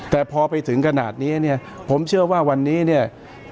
แต่พอไปถึงขนาดนี้เนี่ยผมเชื่อว่าวันนี้เนี่ย